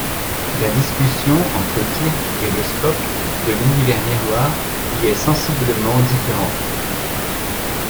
La discussion entre Kirk et le Spock de l'univers miroir y est sensiblement différente.